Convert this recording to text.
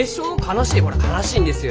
ほら悲しいんですよ